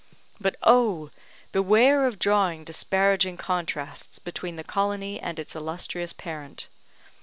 But, oh! beware of drawing disparaging contrasts between the colony and its illustrious parent.